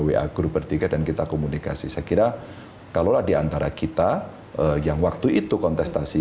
wa group bertiga dan kita komunikasi saya kira kalau diantara kita yang waktu itu kontestasi